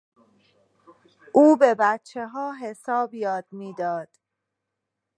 او به بچهها حساب یاد میداد.